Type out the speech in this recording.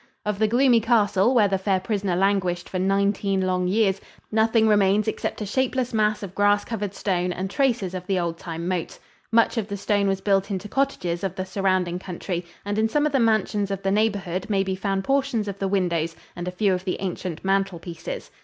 Of the gloomy castle, where the fair prisoner languished for nineteen long years, nothing remains except a shapeless mass of grass covered stone and traces of the old time moat. Much of the stone was built into cottages of the surrounding country and in some of the mansions of the neighborhood may be found portions of the windows and a few of the ancient mantel pieces.